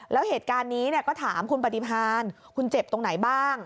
แล้วเหตุการณ์นี้ก็ถามคุณปฏิพาณคุณเจ็บตรงไหนบ้าง